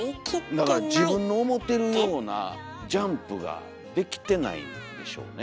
だから自分の思てるようなジャンプができてないんでしょうね。